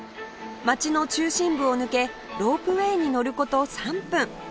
街の中心部を抜けロープウェイに乗る事３分